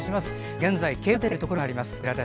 現在、警報が出ているところがあります。